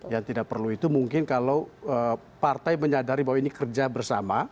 yang tidak perlu itu mungkin kalau partai menyadari bahwa ini kerja bersama